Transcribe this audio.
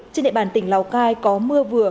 trên địa bàn tỉnh lào cai có mưa vừa